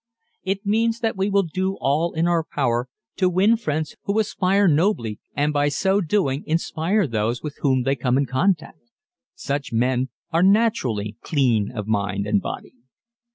It means that we will do all in our power to win friends who aspire nobly and by so doing inspire those with whom they come in contact. Such men are naturally clean of mind and body.